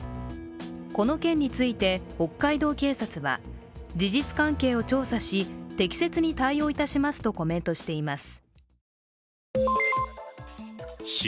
この件について、北海道警察は、事実関係を調査し適切に対応いたしますとコメントしています。